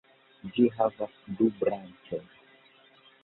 Ĝi havas du branĉojn.